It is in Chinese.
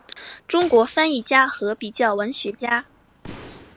中国翻译家和比较文学家。